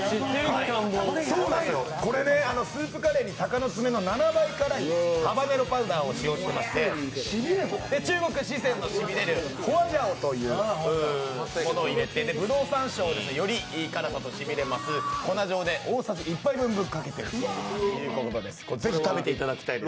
これ、スープカレーにたかのつめの７倍辛いハバネロパウダーを使っておりまして、中国・四川のしびれるホアジャオを入れてブドウ山椒でより辛さとしびれる粉状で大さじ１杯分ぶっかけているということでございます。